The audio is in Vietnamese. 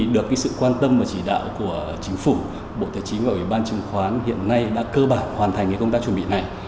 được sự quan tâm và chỉ đạo của chính phủ bộ tài chính và ủy ban chứng khoán hiện nay đã cơ bản hoàn thành công tác chuẩn bị này